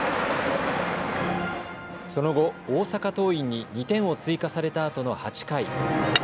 その後、大阪桐蔭に２点を追加されたあとの８回。